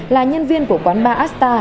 là nhân viên của quán ba asta